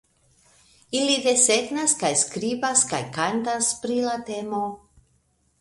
Ili desegnas kaj skribas kaj kantas pri la temo.